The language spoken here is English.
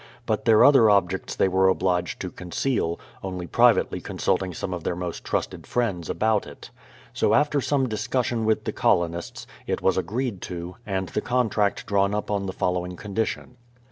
But their other objects they were obliged to conceal, only privately consulting some of their most trusted friends about it. So after some discussion with the colonists, it was agreed to, and the contract drawn up on the following condition.